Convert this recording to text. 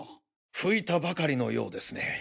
拭いたばかりのようですね。